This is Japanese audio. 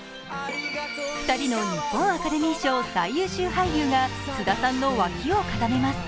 ２人の日本アカデミー賞最優秀俳優が菅田さんの脇を固めます。